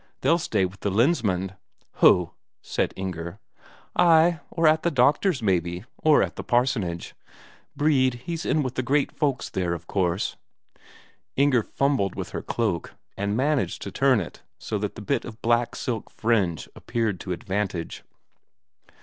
They'll stay with the Lensmand." "Ho!" said Inger. "Ay, or at the doctor's, maybe, or at the parsonage. Brede he's in with the great folks there, of course." Inger fumbled with her cloak, and managed to turn it so that a bit of black silk fringe appeared to advantage.